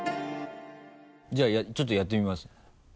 じゃあちょっとやってみますね。